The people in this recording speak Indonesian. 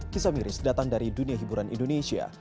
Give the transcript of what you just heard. kisah miris datang dari dunia hiburan indonesia